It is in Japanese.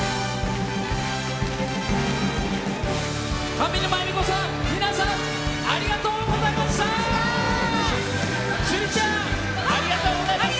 上沼恵美子さん、皆さんありがとうございました。